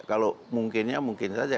kalau mungkinnya mungkin saja